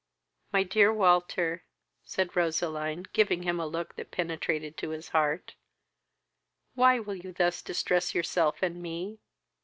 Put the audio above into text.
"My dear Walter, (said Roseline, giving him a look that penetrated to his heart,) why will you thus distress yourself and me?